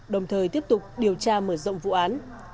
đồng thời tiếp tục điều tra mở rộng vụ án